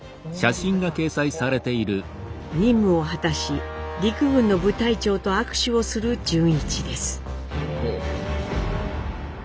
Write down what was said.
任務を果たし陸軍の部隊長と握手をする潤一です。